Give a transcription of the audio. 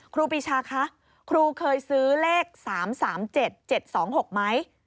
ครูปีชาคะครูเคยซื้อเลข๓๓๗๗๒๖ไหม